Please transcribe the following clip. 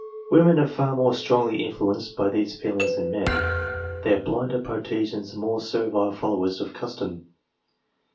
Women are far more strongly influenced by these feelings than men : they are blinder partisans and more servile followers of custom.